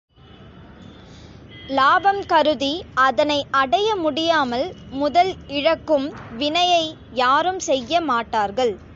இலாபம் கருதி அதனை அடைய முடியாமல் முதல் இழக்கும் வினையை யாரும் செய்ய மாட்டார்கள்.